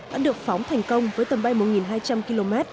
đã được phóng thành công với tầm bay một hai trăm linh km